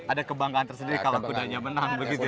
ada kebanggaan tersendiri kalau kudanya menang begitu ya